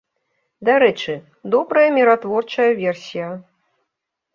Дарэчы, добрая міратворчая версія.